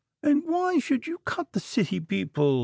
"And why should you cut the City people?"